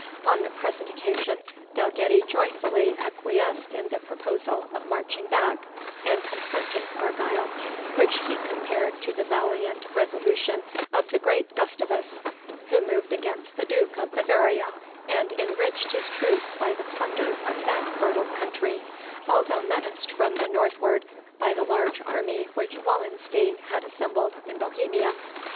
On the present occasion, Dalgetty joyfully acquiesced in the proposal of marching back and confronting Argyle, which he compared to the valiant resolution of the great Gustavus, who moved against the Duke of Bavaria, and enriched his troops by the plunder of that fertile country, although menaced from the northward by the large army which Wallenstein had assembled in Bohemia.